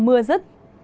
mưa có xu hướng